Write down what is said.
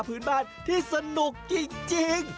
พื้นบ้านที่สนุกจริง